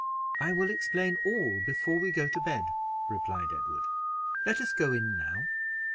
"I will explain all before we go to bed," replied Edward; "let us go in now."